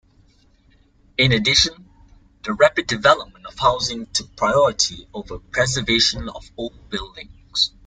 In addition, the rapid development of housing took priority over preservation of old buildings.